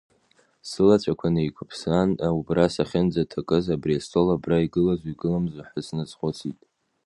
Сылацәақәа неиқәысыԥсан убра сахьынӡаҭакыз абри астол абра игылазу игыламзу ҳәа сназхәыцит.